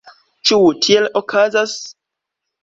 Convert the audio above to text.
Ĉu tiel okazas?